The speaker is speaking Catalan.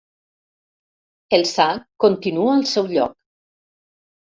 El sac continua al seu lloc.